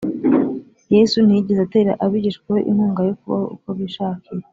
Yesu ntiyigeze atera abigishwa be inkunga yo kubaho uko bishakiye